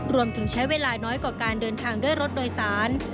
รวมถึงใช้เวลาน้อยกว่าการเดินทางด้วยรถโดยสาร